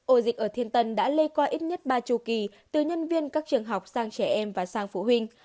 ổ dịch ở thiên tân đã lây qua ít nhất ba chu kỳ từ nhân viên các trường học sang trẻ em và sang phụ huynh